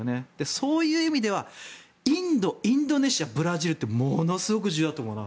そういう意味ではインド、インドネシアブラジルってものすごく重要だと思うな。